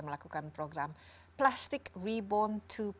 melakukan program plastic reborn dua